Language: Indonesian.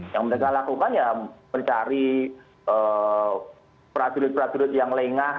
yang mereka lakukan ya mencari prajurit prajurit yang lengah